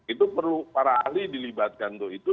itu perlu para ahli dilibatkan untuk itu